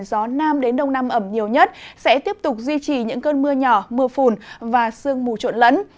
gió nam đến đông nam ẩm nhiều nhất sẽ tiếp tục duy trì những cơn mưa nhỏ mưa phùn và sương mù trộn lẫn